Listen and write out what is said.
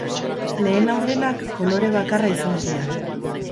Lehen laurdenak kolore bakarra izan zuen.